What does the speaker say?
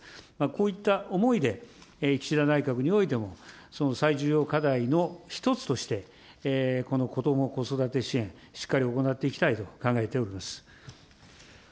こういった思いで、岸田内閣においても、その最重要課題の一つとして、この子ども・子育て支援、しっかり行っていきたいと考えております。